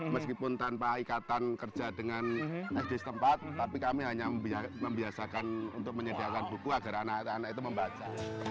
meskipun tanpa ikatan kerja dengan sd setempat tapi kami hanya membiasakan untuk menyediakan buku agar anak anak itu membaca